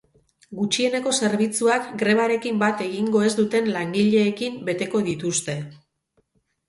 Gutxieneko zerbitzuak grebarekin bat egingo ez duten langileekin beteko dituzte.